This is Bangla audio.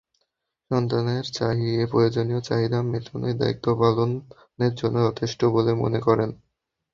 সন্তানের প্রয়োজনীয় চাহিদা মেটানোটাই দায়িত্ব পালনের জন্য যথেষ্ট বলে মনে করেন।